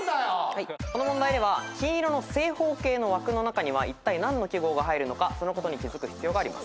この問題では金色の正方形の枠の中にはいったい何の記号が入るのかそのことに気付く必要があります。